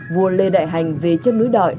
vua lê đại hành về chất núi đội